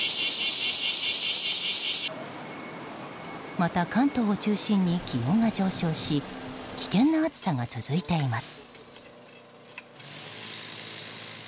また、関東を中心に気温が上昇し危険な暑さが続いています。